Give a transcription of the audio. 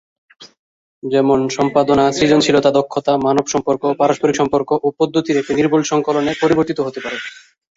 যেমন- সম্পাদনা সৃজনশীল দক্ষতা, মানব সম্পর্ক/পারস্পরিক সম্পর্ক ও পদ্ধতির একটি নির্ভুল সংকলনে পরিবর্তিত হতে পারে।